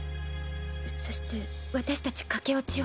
そして私たち駆け落ちを。